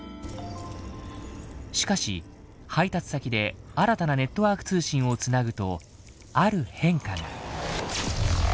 しかし配達先で新たなネットワーク通信を繋ぐとある変化が。